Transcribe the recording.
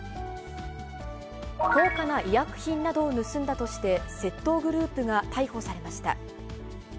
高価な医薬品などを盗んだとして、窃盗グループが逮捕されました。